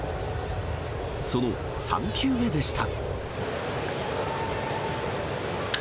その３球目でした。